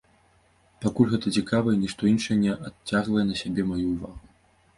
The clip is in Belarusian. Пакуль гэта цікава, і нішто іншае не адцягвае на сябе маю ўвагу.